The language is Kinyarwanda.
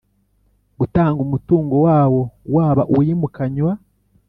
gutanga umutungo wawo waba uwimukanywa